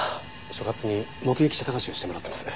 所轄に目撃者捜しをしてもらってます。